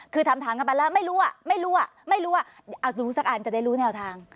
คือถามกันไปแล้วไม่รู้อ่ะไม่รู้อ่ะไม่รู้ว่าเอาดูสักอันจะได้รู้แนวทาง